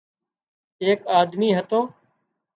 ايڪ آۮمي هتو